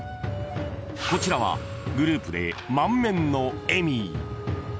［こちらはグループで満面の笑み］